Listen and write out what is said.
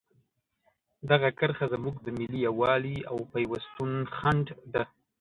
دغه کرښه زموږ د ملي یووالي او پیوستون خنډ ده.